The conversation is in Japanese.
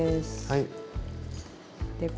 はい。